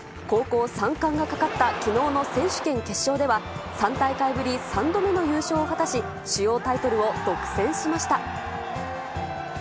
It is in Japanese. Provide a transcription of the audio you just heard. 高校３冠がかかったきのうの選手権決勝では、３大会ぶり３度目の優勝を果たし、主要タイトルを独占しました。